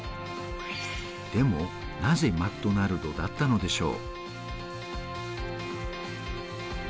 でもなぜマクドナルドだったのでしょう？